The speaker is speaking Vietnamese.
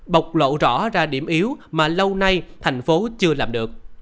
bộc lộ rõ ra điểm yếu mà lâu nay thành phố chưa làm được